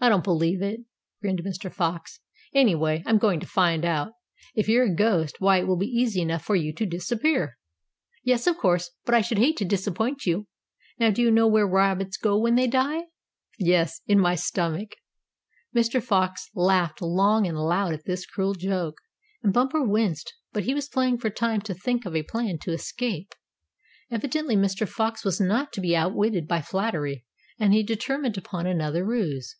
"I don't believe it," grinned Mr. Fox. "Anyway, I'm going to find out. If you're a ghost, why, it will be easy enough for you to disappear." "Yes, of course, but I should hate to disappoint you. Now, do you know where rabbits go when they die?" "Yes, in my stomach." Mr. Fox laughed long and loud at this cruel joke, and Bumper winced; but he was playing for time to think of a plan to escape. Evidently Mr. Fox was not to be outwitted by flattery, and he determined upon another ruse.